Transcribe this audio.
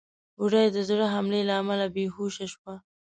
بوډۍ د زړه حملې له امله بېهوشه شوه.